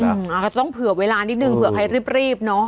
อาจจะต้องเผื่อเวลานิดนึงเผื่อใครรีบเนอะ